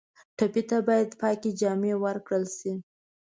ټپي ته باید پاکې جامې ورکړل شي.